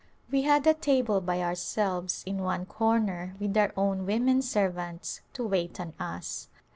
We had a table by ourselves in one corner with our own women servants to wait on us.